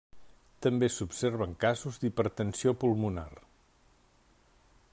També s'observen casos d'hipertensió pulmonar.